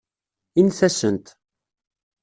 Init-asent.